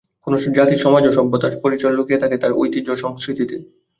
কোনো জাতির সমাজ ও সভ্যতার পরিচয় লুকিয়ে থাকে তার ঐতিহ্য ও সংস্কৃতিতে।